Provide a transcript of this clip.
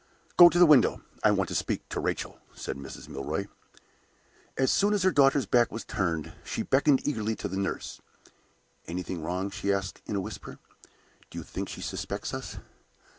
"Go to the window. I want to speak to Rachel," said Mrs. Milroy. As soon as her daughter's back was turned, she beckoned eagerly to the nurse. "Anything wrong?" she asked, in a whisper. "Do you think she suspects us?"